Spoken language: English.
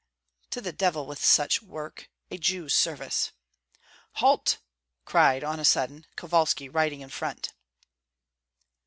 "To the devil with such work! A Jew's service!" "Halt!" cried, on a sudden, Kovalski riding in front.